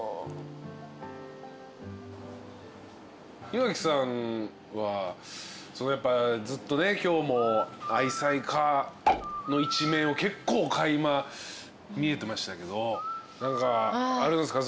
岩城さんはずっとね今日も愛妻家の一面を結構垣間見えてましたけど何かあるんすか？